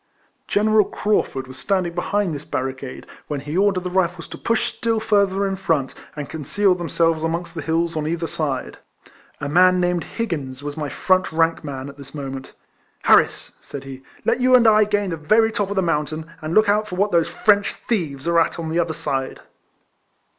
General Craufurd was standing behind this barricade, Avhen he ordered the Rifles to push still further in front, and conceal themselves amongst the hills on either side. A man named Higgins was my front rank man at this moment. " Harris," said he, " let you and I gain the very top of the mountain, and look out what those French thieves are at on the other side."